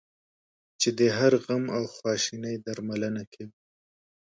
چې د هر غم او خواشینی درملنه کوي.